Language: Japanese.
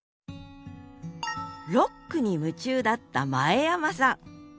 ロックに夢中だった前山さん。